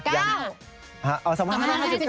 ย้ำ๙